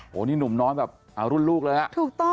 โหนี่หนุ่มน้อยแบบรุ่นลูกเลยล่ะ